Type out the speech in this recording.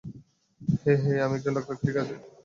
হেই, hey, আমি একজন ডাক্তার, ঠিক আছে?